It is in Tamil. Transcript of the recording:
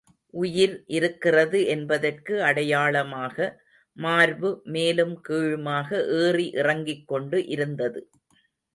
உயிர் இருக்கிறது என்பதற்கு அடையாளமாக, மார்பு மேலும் கீழுமாக ஏறி இறங்கிக் கொண்டு இருந்தது.